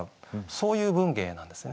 そういう文芸なんですね。